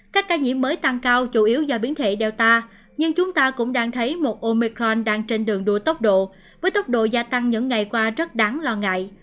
các ca nhiễm mới tăng cao chủ yếu do biến thể data nhưng chúng ta cũng đang thấy một omecron đang trên đường đua tốc độ với tốc độ gia tăng những ngày qua rất đáng lo ngại